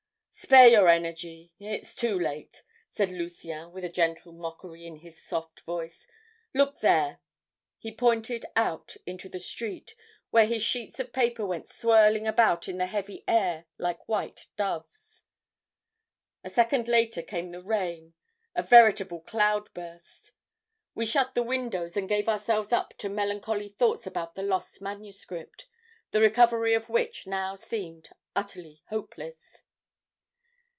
"'Spare your energy, it's too late,' said Lucien with a gentle mockery in his soft voice. 'Look there!' he pointed out into the street, where his sheets of paper went swirling about in the heavy air like white doves. "A second later came the rain, a veritable cloud burst. We shut the windows and gave ourselves up to melancholy thoughts about the lost manuscript, the recovery of which now seemed utterly hopeless.